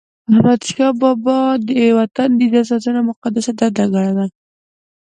احمدشاه بابا د وطن د عزت ساتنه مقدسه دنده ګڼله.